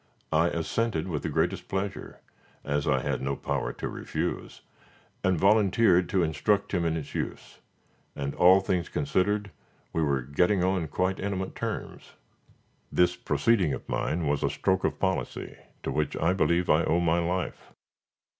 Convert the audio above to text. I assented with the greatest pleasure, as I had no power to refuse, and volunteered to instruct him in its use, and all things considered we were getting on quite intimate terms. This proceeding of mine was a stroke of policy, to which I believe I owe my life.